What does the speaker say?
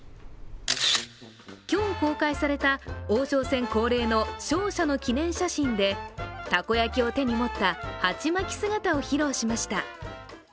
今日公開された王将戦恒例の勝者の記念写真でたこ焼きを手に持った鉢巻き姿を披露しました。